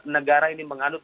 negara ini menganut